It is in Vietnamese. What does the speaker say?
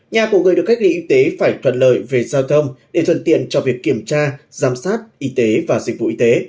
nhà của người được cách ly y tế phải thuận lợi về giao thông để thuận tiện cho việc kiểm tra giám sát y tế và dịch vụ y tế